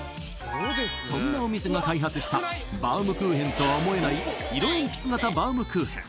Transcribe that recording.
そんなお店が開発したバウムクーヘンとは思えない色えんぴつ型バウムクーヘン